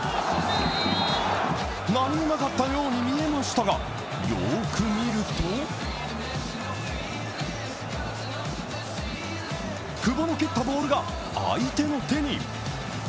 何もなかったようにみえましたが、よーく見ると久保の蹴ったボールが相手の手に。